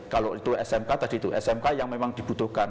kalau itu smk tadi itu smk yang memang dibutuhkan